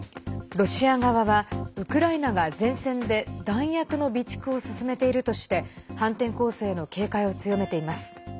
ロシア側はウクライナが前線で弾薬の備蓄を進めているとして反転攻勢への警戒を強めています。